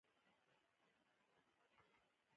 آیا د بزګر ورځ نه لمانځل کیږي؟